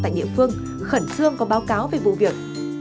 tại địa phương khẩn trương có báo cáo về vụ việc